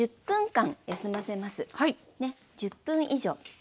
１０分以上。